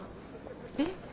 えっ？